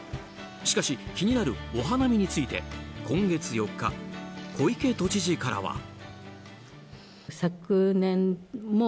しかし、気になるお花見について今月４日小池都知事からは。